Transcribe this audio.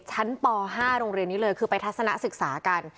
ป๕โรงเรียนนี้เลยคือไปทัศนะศึกษากัน